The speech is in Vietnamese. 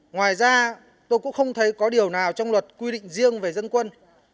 ngoài ra tôi cũng không thấy có điều nào trong luật quy định riêng về dân quân